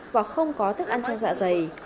và không có thức ăn trong dạ dày